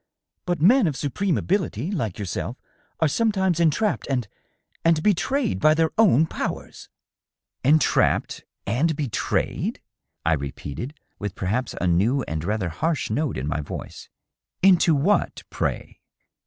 " But men of supreme ability, like yourself, are sometimes entrapped and .. and betrayed by their own powers." " Entrapped and betrayed ?" I repeated, with perhaps a new and rather harsh note in my voice. " Into what, pray